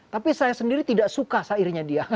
tapi saya sendiri tidak suka sairnya dia